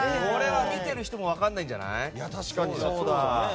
見ている人も分からないんじゃない？